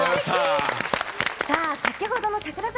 先ほどの櫻坂